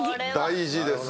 大事です